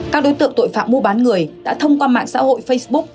các đối tượng tội phạm mua bán người đã thông qua mạng xã hội facebook